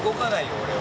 俺は。